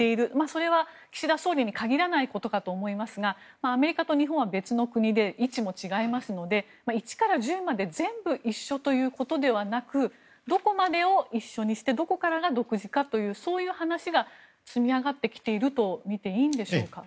それは岸田総理に限らないことかと思いますがアメリカと日本は別の国で位置も違いますので一から十まで全部一緒ということではなくどこまでを一緒にしてどこからが独自かというそういう話が積みあがってきているとみていいんでしょうか。